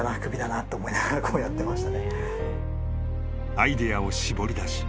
［アイデアを絞り出し